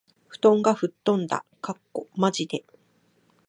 布団が吹っ飛んだ。（まじで）